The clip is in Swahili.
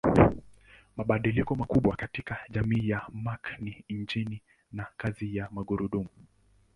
Mabadiliko makubwa katika jamii ya Mark ni injini na kazi ya magurudumu.